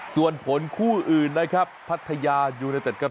ส่วนผลคู่อื่นนะครับพัทยายูเนเต็ดครับ